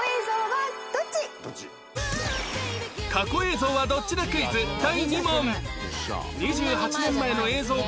過去映像はどっちだクイズ第２問